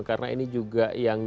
karena ini juga yang